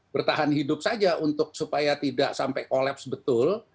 bertahan hidup saja untuk supaya tidak sampai kolaps betul